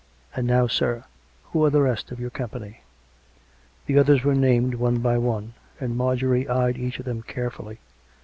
... And now, sir, who are the rest of your company?" The others were named one by one; and Marjorie eyed each of them carefully.